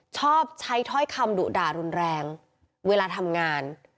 ชอบใช้ถ้อยคำดุด่ารุนแรงเวลาทำงาน